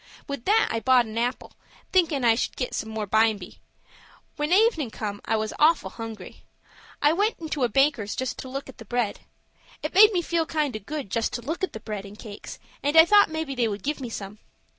With that I bought an apple, thinkin' I should get some more bimeby. When evenin' come I was awful hungry. I went into a baker's just to look at the bread. It made me feel kind o' good just to look at the bread and cakes, and I thought maybe they would give me some.